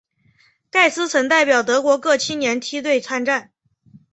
盖斯曾代表德国各青年梯队参战。